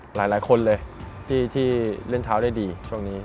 หลายคนเลยที่เล่นเท้าได้ดีช่วงนี้